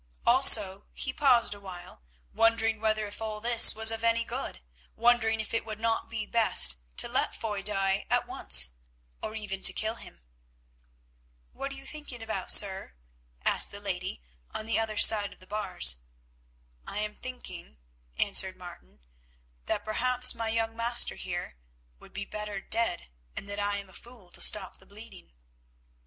Also, he paused awhile wondering whether if all this was of any good, wondering if it would not be best to let Foy die at once, or even to kill him. "What are you thinking about, sir?" asked the lady on the other side of the bars. "I am thinking," answered Martin, "that perhaps my young master here would be better dead, and that I am a fool to stop the bleeding."